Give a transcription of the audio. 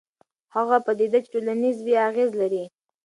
هغه پدیده چې ټولنیز وي اغېز لري.